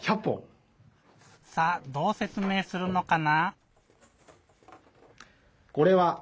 さあどうせつめいするのかな？